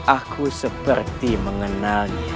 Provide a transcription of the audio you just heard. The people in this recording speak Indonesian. aku seperti mengenalnya